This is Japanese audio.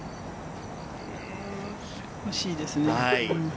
惜しいですね。